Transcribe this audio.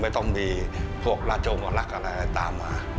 ต้องมีพวกราชงลักษณ์อะไรตามมา